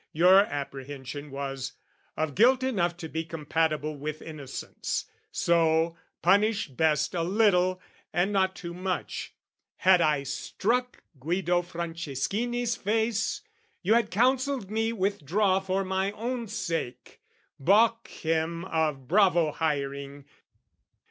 Your apprehension was of guilt enough To be compatible with innocence, So, punished best a little and not too much. Had I struck Guido Franceschini's face, You had counselled me withdraw for my own sake, Baulk him of bravo hiring.